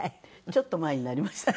ちょっと前になりました。